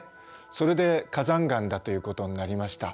それで火山岩だということになりました。